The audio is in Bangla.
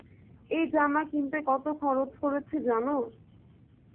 এই জামা কিনতে কতো খরচ করেছি জানো?